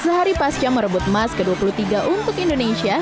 sehari pasca merebut emas ke dua puluh tiga untuk indonesia